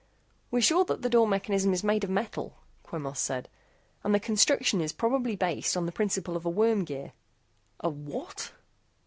"We're sure that the door mechanism is made of metal," Quemos said, "and the construction is probably based on the principal of a worm gear." "A what?"